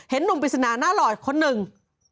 เห็นหนุ่มปริศนาน่ารอดคนหนึ่ง